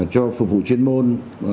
cho phục vụ chuyên môn